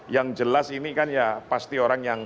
yang jelas ini kan ya pasti orang yang